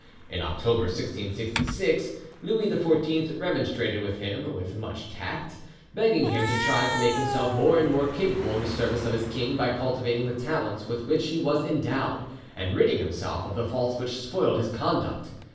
In October 1666 Louis XIV remonstrated with him with much tact, begging him to try to make himself more and more capable in the service of his king by cultivating the talents with which he was endowed, and ridding himself of the faults which spoilt his conduct.